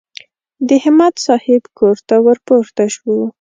د همت صاحب کور ته ور پورته شوو.